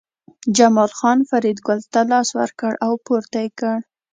جمال خان فریدګل ته لاس ورکړ او پورته یې کړ